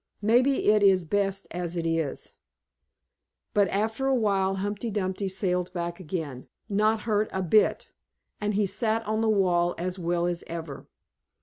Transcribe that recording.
Maybe it is best as it is." But, after a while Humpty Dumpty sailed back again, not hurt a bit, and he sat on the wall as well as ever.